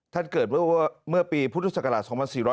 ท่านเกิดเมื่อปีพุทธศักราช๒๔๕